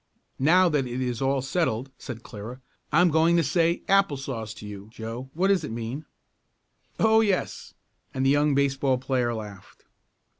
"Now that it is all settled," said Clara, "I'm going to say 'apple sauce' to you, Joe. What does it mean?" "Oh, yes," and the young baseball player laughed.